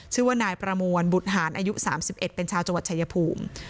ชื่อว่านายประมวลบุตรหารอายุ๓๑เป็นชาวจังหวัดชายภูมิ